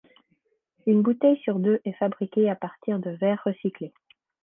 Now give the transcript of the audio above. Une bouteille sur deux est fabriquée à partir de verre recyclé.